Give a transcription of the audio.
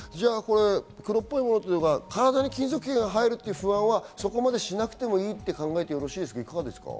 黒っぽいものというのは体に金属片が入るという不安はそこまでしなくてもいいと考えてよろしいですか？